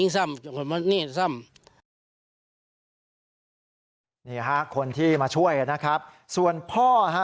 ส่วนพ่อค่ะ